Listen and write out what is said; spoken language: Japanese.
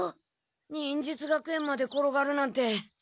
忍術学園まで転がるなんて。